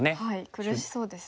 苦しそうですね。